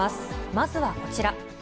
まずはこちら。